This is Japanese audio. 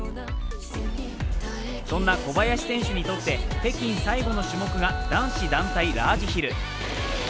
そんな小林選手にとって北京最後の種目が男子団体ラージヒル。